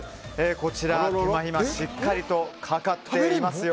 こちら、手間暇がしっかりとかかっております。